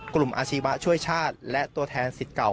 อาชีวะช่วยชาติและตัวแทนสิทธิ์เก่า